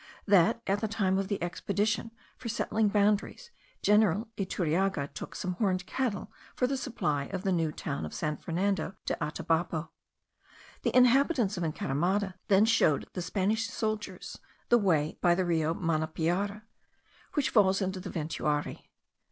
that, at the time of the expedition for settling boundaries, General Iturriaga took some horned cattle for the supply of the new town of San Fernando de Atabapo. The inhabitants of Encaramada then showed the Spanish soldiers the way by the Rio Manapiari,* which falls into the Ventuari.